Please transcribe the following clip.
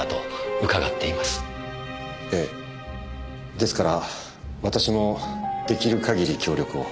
ですから私も出来る限り協力を。